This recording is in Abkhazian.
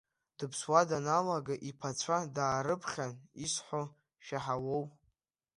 Дыԥсуа даналага иԥацәа даарыԥхьан, исҳәо шәаҳауоу?